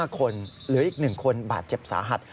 ๕คนเหลืออีก๑คนบาดเจ็บสาหัส